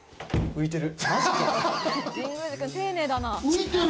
浮いてる！